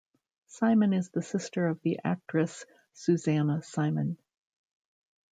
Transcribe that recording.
Simon is the sister of the actress Susanna Simon.